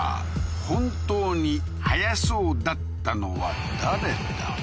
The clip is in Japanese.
本当に速そうだったのは誰だ？